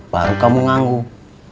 baru kamu ngangguk